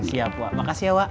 siap wak makasih ya wak